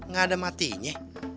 gak ada matinya